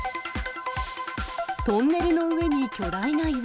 トンネルの上に巨大な岩。